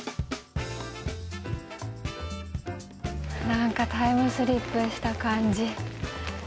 なんか、タイムスリップした感じ。